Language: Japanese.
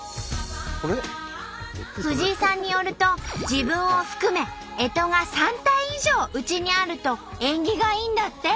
藤井さんによると自分を含め干支が３体以上家にあると縁起がいいんだって！